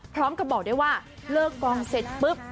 พร้อมกับบอกได้ว่าเลิกกองเสร็จปุ๊บ